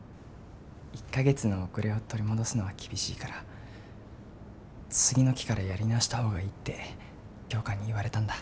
１か月の遅れを取り戻すのは厳しいから次の期からやり直した方がいいって教官に言われたんだ。